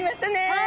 はい。